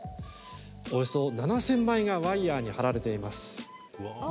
およそ７０００枚がワイヤーに貼られています。